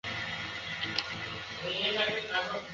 আমার কাছে প্রতি মৌসুমই একটা নতুন চ্যালেঞ্জ, আমি সেভাবেই তৈরি হই।